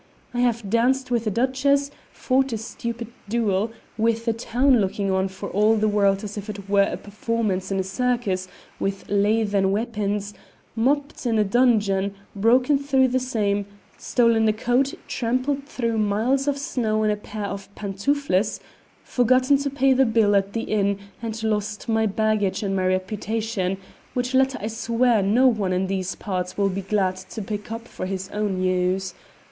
I have danced with a duchess, fought a stupid duel, with a town looking on for all the world as if it were a performance in a circus with lathen weapons, moped in a dungeon, broken through the same, stolen a coat, tramped through miles of snow in a pair of pantoufles, forgotten to pay the bill at the inn, and lost my baggage and my reputation which latter I swear no one in these parts will be glad to pick up for his own use.